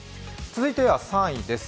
続いては３位です。